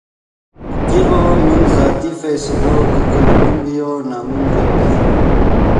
فګیغو من ذاتی فیصلو کہ کڑغیم ڤؤ نمن گپ دے